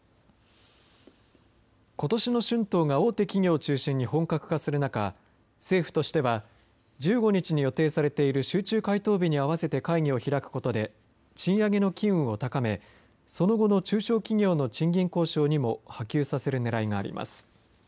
ことしの春闘が大手企業を中心に本格化する中政府としては１５日に予定されている集中回答日に合わせて会議を開くことで賃上げの機運を高めその後の中小企業の賃金交渉にも波及させるねらいがあります。